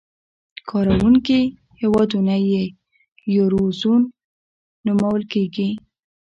کاروونکي هېوادونه یې یورو زون نومول کېږي.